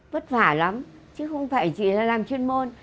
vất vả lắm chứ không phải chỉ là làm chuyên môn